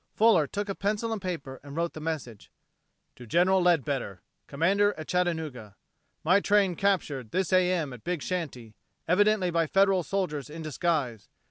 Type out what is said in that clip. Fuller took a pencil and paper and wrote the message: "To Gen. Leadbetter, "Commander at Chattanooga: "My train captured this A.M. at Big Shanty, evidently by Federal soldiers in disguise.